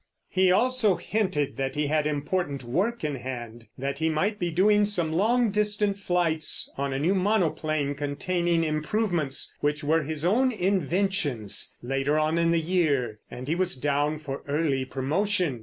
He also hinted that he had important work in hand, that he might be doing some long distance flights on a new monoplane containing improvements, which were his own inventions, later on in the year. And he was down for early promotion.